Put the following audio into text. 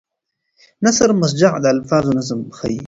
نثر مسجع د الفاظو نظم ښيي.